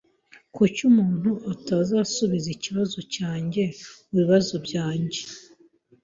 Kuki umuntu atazasubiza ikibazo cyanjye mubibazo byanjye?